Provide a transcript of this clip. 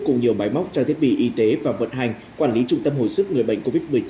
cùng nhiều máy móc trang thiết bị y tế và vận hành quản lý trung tâm hồi sức người bệnh covid một mươi chín